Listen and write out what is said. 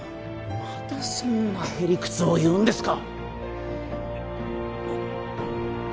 またそんなへ理屈を言うんですか？